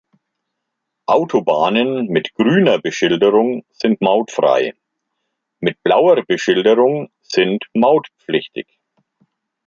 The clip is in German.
Autobahnen mit grüner Beschilderung sind mautfrei, mit blauer Beschilderung sind mautpflichtig.